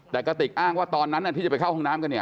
แต่กระติกอ้างว่าตอนนั้นที่จะไปเข้าห้องน้ำกันเนี่ย